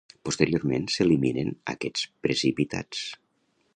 Posteriorment, s'eliminen aquests precipitats.